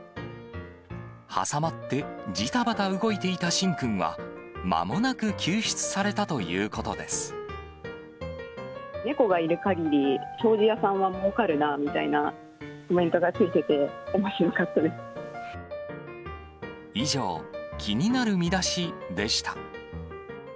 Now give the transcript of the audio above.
挟まってじたばた動いていたシン君は、まもなく救出されたという猫がいるかぎり、障子屋さんはもうかるなみたいなコメントがついてて、おもしろか以上、気になるミダシでした。